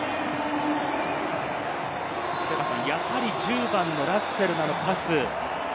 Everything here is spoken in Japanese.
やはり１０番のラッセルのパス。